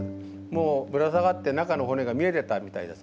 もうぶら下がって中のほねが見えてたみたいですね。